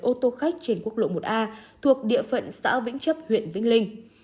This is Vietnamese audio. ô tô khách trên quốc lộ một a thuộc địa phận xã vĩnh chấp huyện vĩnh linh